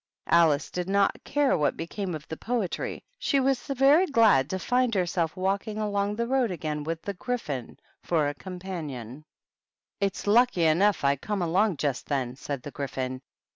. Alice did not care what became of the poetry ; she was very glad to find THE BISHOPS. herself walking along on the road again with the Gryphon for a compaoion. s^ '^^^ ^3 " It's lucky enough I come along just then," said the Gryphon.